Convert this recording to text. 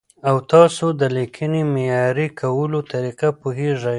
ایا تاسو د لیکنې معیاري کولو طریقه پوهېږئ؟